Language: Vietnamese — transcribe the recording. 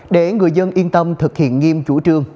để người dân yên tâm thực hiện nghiêm chủ trương